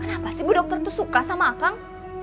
kenapa sih bu dokter itu suka sama akang